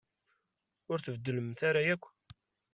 Ur tbeddlemt ara akk.